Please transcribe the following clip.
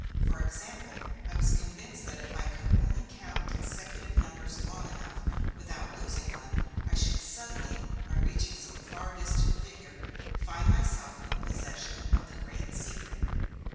For example, I was convinced that if I could only count consecutive numbers long enough, without losing one, I should suddenly, on reaching some far distant figure, find myself in possession of the great secret.